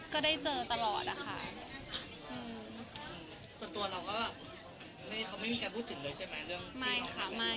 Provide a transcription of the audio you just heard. ก็ได้เจอตลอดอ่ะค่ะสัตว์ตัวเราก็ไม่เขาไม่มีแกพูดถึงเลย